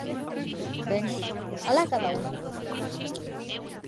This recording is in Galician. Ben, ¡alá cada un!